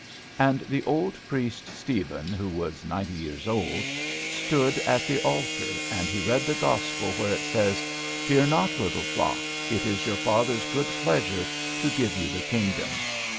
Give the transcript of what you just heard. And the old priest Stephen, who was ninety years old, stood at the altar, and he read the gospel where it says, "Fear not, little flock, it is your Father's good pleasure to give you the kingdom."